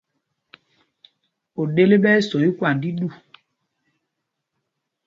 Oɗel ɓɛ́ ɛ́ so ikwand tí ɗu.